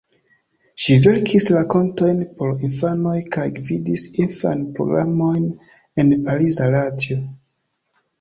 Ŝi verkis rakontojn por infanoj kaj gvidis infan-programojn en pariza radio.